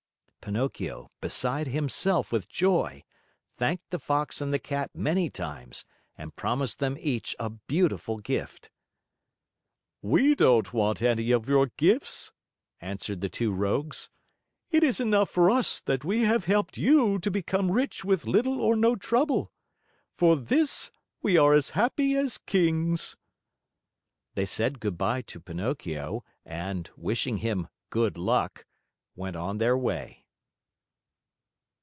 Pinocchio, beside himself with joy, thanked the Fox and the Cat many times and promised them each a beautiful gift. "We don't want any of your gifts," answered the two rogues. "It is enough for us that we have helped you to become rich with little or no trouble. For this we are as happy as kings." They said good by to Pinocchio and, wishing him good luck, went on their way.